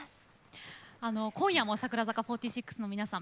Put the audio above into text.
今夜も櫻坂４６の皆さん